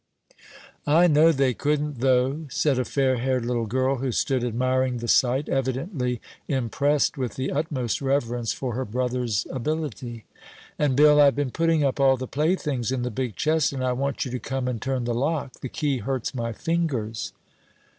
"I know they couldn't, though," said a fair haired little girl, who stood admiring the sight, evidently impressed with the utmost reverence for her brother's ability; "and, Bill, I've been putting up all the playthings in the big chest, and I want you to come and turn the lock the key hurts my fingers."